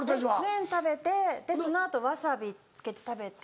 麺食べてその後ワサビつけて食べて。